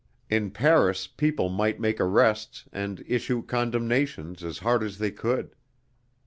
In Paris people might make arrests and issue condemnations as hard as they could.